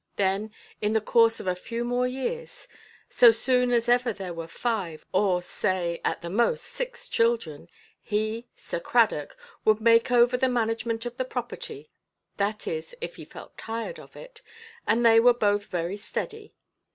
Then, in the course of a few more years—so soon as ever there were five, or, say at the most six children—he, Sir Cradock, would make over the management of the property; that is, if he felt tired of it, and they were both very steady.